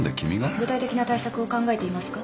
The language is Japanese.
具体的な対策を考えていますか？